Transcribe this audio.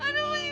aduh gimana ini